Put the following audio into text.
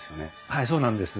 はいそうなんです。